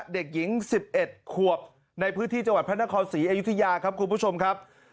เด็กหญิง๑๑ขวบในพื้นที่จังหวัดพระนครศรีอยุธยาครับคุณผู้ชมครับ